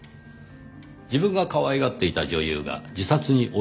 自分がかわいがっていた女優が自殺に追い込まれたから。